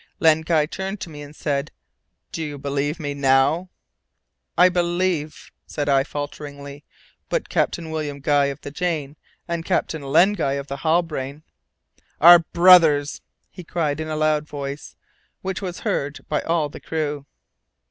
Len Guy turned to me and said, "Do you believe now?" "I believe," said I, falteringly; "but Captain William Guy of the Jane, and Captain Len Guy of the Halbrane " "Are brothers!" he cried in a loud voice, which was heard by all the crew.